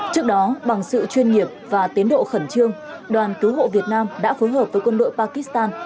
trước đó bằng sự chuyên nghiệp và tiến độ khẩn trương đoàn cứu hộ việt nam đã phối hợp với quân đội pakistan